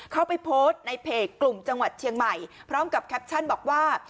เขาไปโพสต์ในเพจกลุ่มจังหวัดเชียงใหม่พร้อมกับแคปชั่นบอกว่า